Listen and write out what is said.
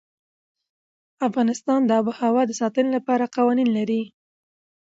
افغانستان د آب وهوا د ساتنې لپاره قوانين لري.